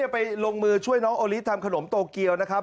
ไปลงมือช่วยน้องโอลิทำขนมโตเกียวนะครับ